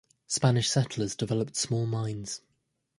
Spanish settlers developed small mines.